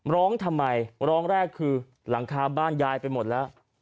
ร้องทำไมร้องแรกคือหลังคาบ้านยายไปหมดแล้ว